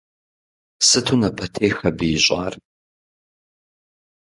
Сыту напэтех абы ищӏар.